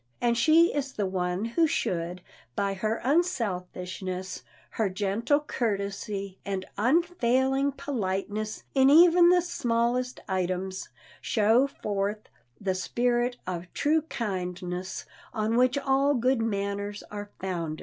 And she is the one who should, by her unselfishness, her gentle courtesy, and unfailing politeness in even the smallest items, show forth the spirit of true kindness, on which all good manners are founded.